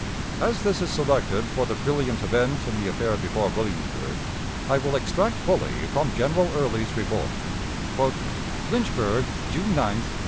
As this is selected for the brilliant event in the affair before Williamsburg, I will extract fully from General Early's report: "LYNCHBURG, June 9, 1862.